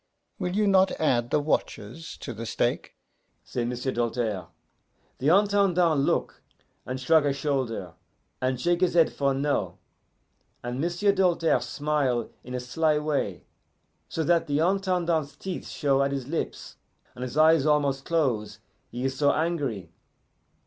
'Will you not add the watches to the stake?' say M'sieu' Doltaire. The Intendant look, and shrug a shoulder, and shake his head for no, and M'sieu' Doltaire smile in a sly way, so that the Intendant's teeth show at his lips and his eyes almost close, he is so angry.